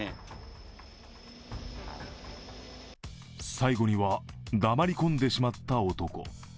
最後には黙り込んでしまった男。